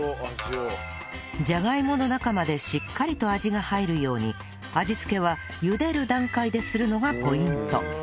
じゃがいもの中までしっかりと味が入るように味付けはゆでる段階でするのがポイント